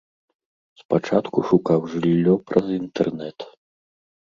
Спачатку шукаў жыллё праз інтэрнэт.